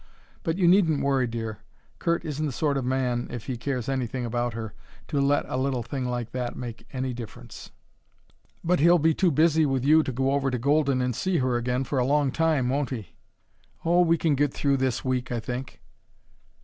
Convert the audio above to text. But you needn't worry, dear. Curt isn't the sort of man, if he cares anything about her, to let a little thing like that make any difference." "But he'll be too busy with you to go over to Golden and see her again for a long time, won't he?" "Oh, we can get through this week, I think."